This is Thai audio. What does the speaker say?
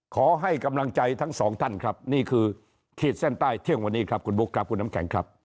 ขอให้กำลังใจทั้งสองท่านครับนี่คือขีดเส้นใต้เที่ยงวันนี้ครับคุณบุ๊คครับคุณน้ำแข็งครับ